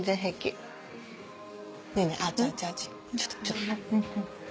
ちょっとちょっと。